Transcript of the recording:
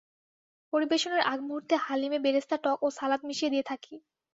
পরিবেশনের আগমুহূর্তে হালিমে বেরেস্তা, টক ও সালাদ মিশিয়ে দিয়ে থাকি।